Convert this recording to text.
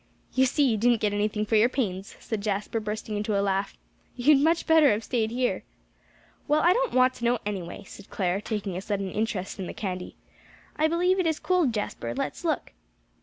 "You see you didn't get anything for your pains," said Jasper, bursting into a laugh. "You'd much better have staid here." "Well, I don't want to know, anyway," said Clare, taking a sudden interest in the candy. "I believe it is cold, Jasper; let's look."